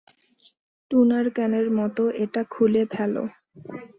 Toner ক্যানের মতো এটা খুলে ফেলো।